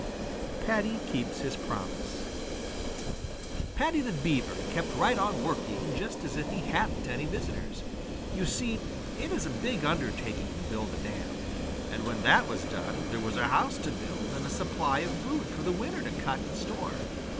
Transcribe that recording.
V PADDY KEEPS HIS PROMISE Paddy the Beaver kept right on working just as if he hadn't any visitors. You see, it is a big undertaking to build a dam. And when that was done there was a house to build and a supply of food for the winter to cut and store.